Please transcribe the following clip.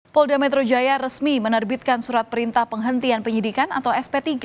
polda metro jaya resmi menerbitkan surat perintah penghentian penyidikan atau sp tiga